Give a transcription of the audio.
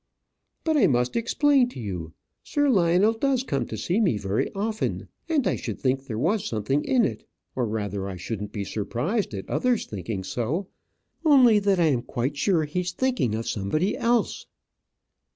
"But I must explain to you. Sir Lionel does come to see me very often; and I should think there was something in it or, rather, I shouldn't be surprised at others thinking so only that I am quite sure that he's thinking of somebody else."